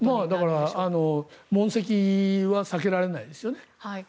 だから問責は避けられないですよね。